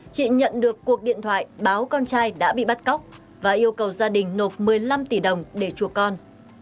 chị nhận được cuộc điện thoại báo con trai đã bị bắt cóc và yêu cầu gia đình nộp một mươi năm tỷ đồng để chùa con